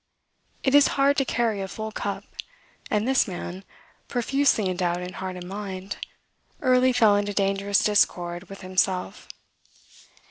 It is hard to carry a full cup: and this man, profusely endowed in heart and mind, early fell into dangerous discord with himself.